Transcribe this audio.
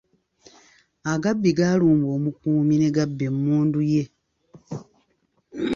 Agabbi gaalumba omukuumi ne gabba emmundu ye.